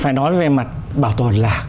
phải nói về mặt bảo tồn là